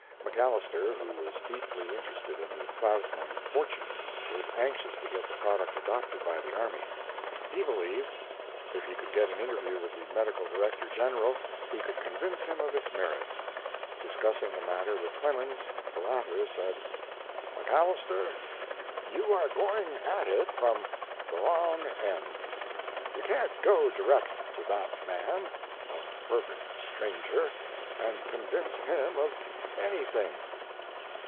MacAlister, who was deeply interested in the plasmon fortunes, was anxious to get the product adopted by the army. He believed, if he could get an interview with the Medical Director General, he could convince him of its merits. Discussing the matter with Clemens, the latter said: "MacAlister, you are going at it from the wrong end. You can't go direct to that man, a perfect stranger, and convince him of anything.